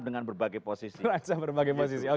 dengan berbagai posisi